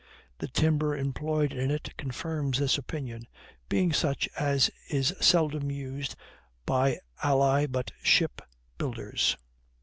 The timber employed in it confirms this opinion, being such as is seldom used by ally but ship builders.